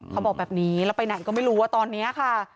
เขาบอกแบบนี้แล้วไปไหนก็ไม่รู้ว่าตอนนี้ค่ะ